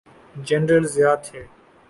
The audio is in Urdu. جنرل ضیاء تھے۔